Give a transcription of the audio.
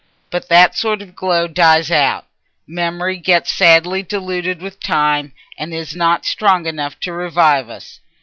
But that sort of glow dies out: memory gets sadly diluted with time, and is not strong enough to revive us.